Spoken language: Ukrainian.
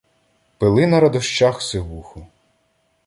Пили на радощах сивуху